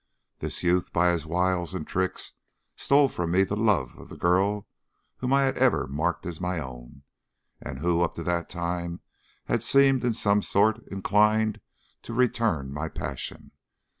This youth by his wiles and tricks stole from me the love of the girl whom I had ever marked as my own, and who up to that time had seemed in some sort inclined to return my passion.